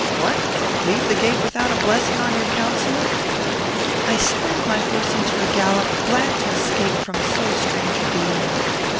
What! Leave the gate without a blessing on your counsellor?' "I spurred my horse into a gallop, glad to escape from so strange a being.